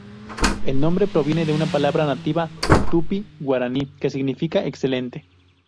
El nombre proviene de una palabra nativa tupí-guaraní que significa "excelente".